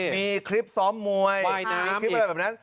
มีคลิปซ้อมมวยคลิปอะไรแบบนั้น